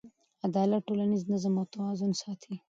عدالت ټولنیز نظم او توازن ساتي.